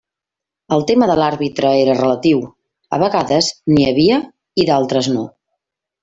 El tema de l'àrbitre era relatiu, a vegades n'hi havia i d'altres no.